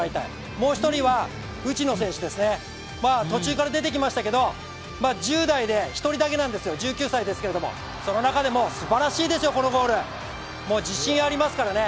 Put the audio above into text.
もう一人は内野選手ですね、途中から出てきましたけど、１０代で１人だけなんですよ、１９歳なんですけど、その中でもすばらしいですよ、このゴール、自信ありますからね。